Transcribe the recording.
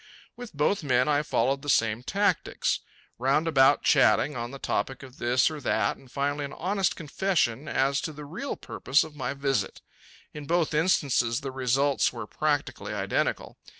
With both men I followed the same tactics roundabout chatting on the topic of this or that, and finally an honest confession as to the real purpose of my visit. In both instances the results were practically identical.